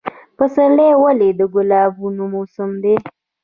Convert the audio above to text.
پسرلی ولې د ګلانو موسم دی؟